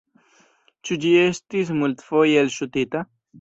Ĉu ĝi estis multfoje elŝutita?